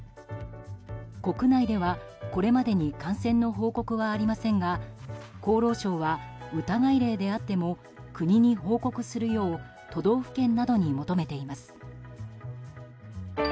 国内ではこれまでに感染の報告はありませんが厚労省は疑い例であっても国に報告するよう都道府県などに求めています。